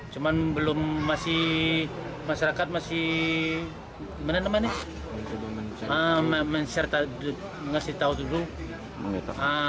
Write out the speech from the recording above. cuman belum masih masyarakat masih